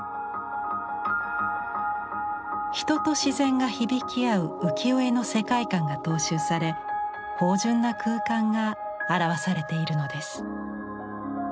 人と自然が響き合う浮世絵の世界観が踏襲され豊潤な空間が表されているのです。